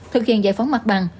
thực hiện giải phóng mặt bằng